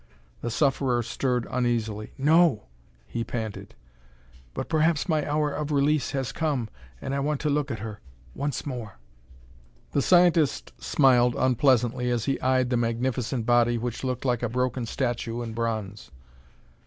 The sufferer stirred uneasily. "No!" he panted. "But perhaps my hour of release has come, and I want to look at her once more." The scientist smiled unpleasantly as he eyed the magnificent body which looked like a broken statue in bronze.